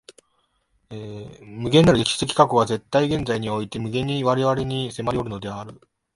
無限なる歴史的過去が絶対現在において無限に我々に迫りおるのである。